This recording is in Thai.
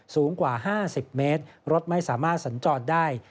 สูงกว่า๕๐เมตรรถไม่สามารถสัญจรได้